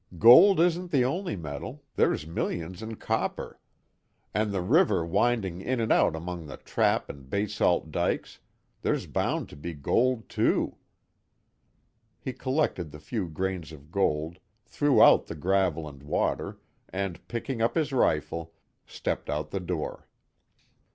Gold isn't the only metal there's millions in copper! And, the river winding in and out among the trap and basalt dykes, there's bound to be gold, too." He collected the few grains of gold, threw out the gravel and water, and picking up his rifle, stepped out the door.